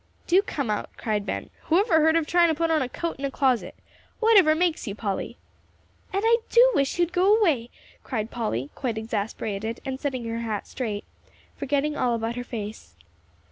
"Do come out," cried Ben; "whoever heard of trying to put on a coat in a closet? Whatever makes you, Polly?" "And I do wish you'd go away," cried Polly, quite exasperated, and setting her hat straight, forgetting all about her face.